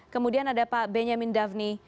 kemudian ada pak benyamin daphne